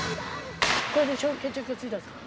これで決着がついたんですか？